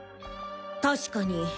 確かに。